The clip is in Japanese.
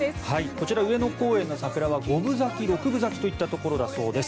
こちら、上野公園の桜は五分咲き、六分咲きといったところだそうです。